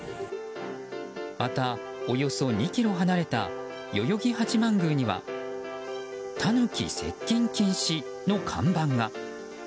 また、およそ２ｋｍ離れた代々木八幡宮にはタヌキ接近禁止の看板が。